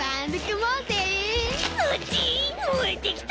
もえてきた！